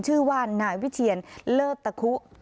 ชื่อว่านายวิเทียนเลิศตะคุ